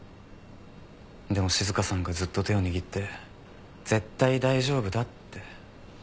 でも静香さんがずっと手を握って絶対大丈夫だって。